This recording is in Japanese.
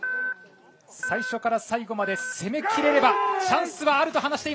最初から最後まで攻め切れればチャンスはあると話していました。